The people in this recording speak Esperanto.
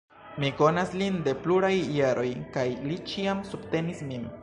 Mi konas lin de pluraj jaroj, kaj li ĉiam subtenis min.